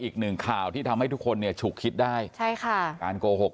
อีกหนึ่งข่าวที่ทำให้ทุกคนเนี่ยฉุกคิดได้ใช่ค่ะการโกหก